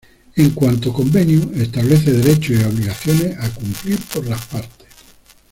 En cuanto convenio, establece derechos y obligaciones a cumplir por las partes.